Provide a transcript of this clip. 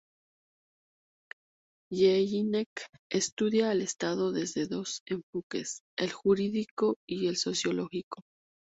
Jellinek estudia al Estado desde dos enfoques: el jurídico y el sociológico.